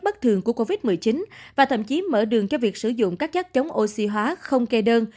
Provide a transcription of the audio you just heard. bất thường của covid một mươi chín và thậm chí mở đường cho việc sử dụng các chất chống oxy hóa không kê đơn